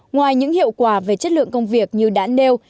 ngoài những hiệu quả về chất lượng công việc như đã nêu